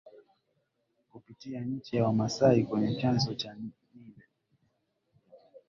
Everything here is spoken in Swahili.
Kupitia nchi ya Wamasai kwenye chanzo cha Nile